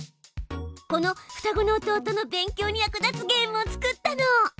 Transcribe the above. このふたごの弟の勉強に役立つゲームを作ったの。